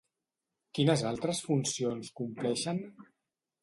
Quines altres funcions compleixen?